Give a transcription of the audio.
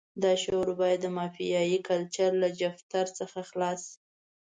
دا شعور باید د مافیایي کلچر له جفتر څخه خلاص شي.